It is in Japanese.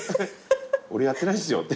「俺やってないっすよ」って。